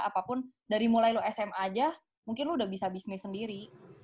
apapun dari mulai lo sma aja mungkin lo udah bisa bisnis sendiri